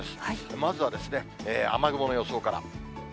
まずは雨雲の予想から。